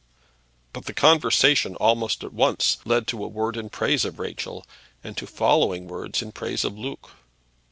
But the conversation, almost at once, led to a word in praise of Rachel, and to following words in praise of Luke.